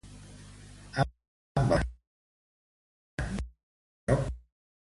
Amb els grana no aconsegueix un lloc titular.